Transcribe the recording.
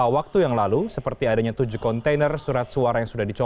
waktu terakhir terakhir sudah rame